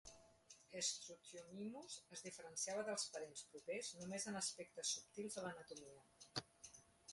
"Struthiomimus" es diferenciava dels parents propers només en aspectes subtils de l'anatomia.